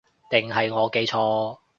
定係我記錯